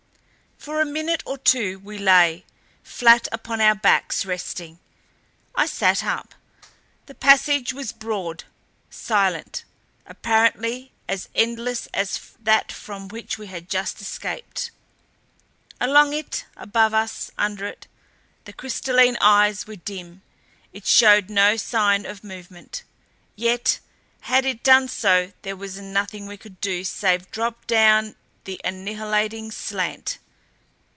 For a minute or two we lay, flat upon our backs resting. I sat up. The passage was broad, silent; apparently as endless as that from which we had just escaped. Along it, above us, under us, the crystalline eyes were dim. It showed no sign of movement yet had it done so there was nothing we could do save drop down the annihilating slant.